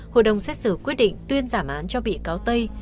hội đồng xét xử quyết định tuyên giảm án cho bị cáo tây